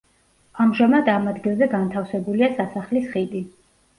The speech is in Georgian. ამჟამად ამ ადგილზე განთავსებულია სასახლის ხიდი.